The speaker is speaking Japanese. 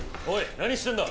何してんだ！